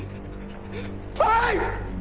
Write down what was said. はい！！